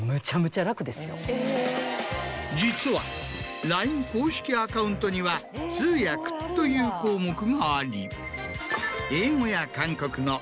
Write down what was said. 実はＬＩＮＥ公式アカウントには通訳という項目があり。